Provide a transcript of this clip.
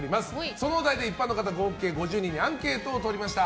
そのお題で一般の方合計５０人にアンケートをとりました。